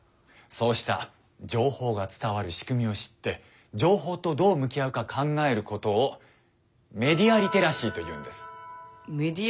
そうした情報が伝わるしくみを知って情報とどう向き合うか考えることをメディア・リテラシー？